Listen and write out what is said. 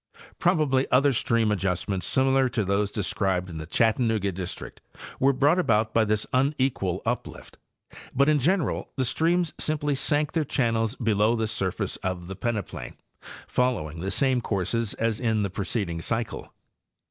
— Prob ably other stream adjustments similar to those described in the Chattanooga district were brought about by this unequal uplift ; but in general the streams simply sank their channels below the surface of the peneplain, following the same courses as in the preceding cycle.